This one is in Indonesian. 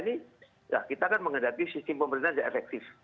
nah kita akan menghadapi sistem pemerintahan yang efektif